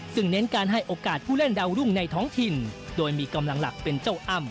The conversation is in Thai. ซึ่งเน้นการให้โอกาสผู้เล่นดาวรุ่งในท้องถิ่นโดยมีกำลังหลักเป็นเจ้าอ้ำ